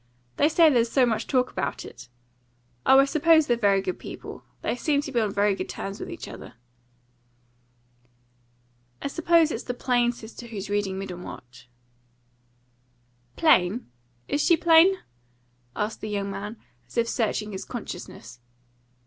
They say there's so much talk about it. Oh, I suppose they're very good people. They seemed to be on very good terms with each other." "I suppose it's the plain sister who's reading Middlemarch." "Plain? Is she plain?" asked the young man, as if searching his consciousness.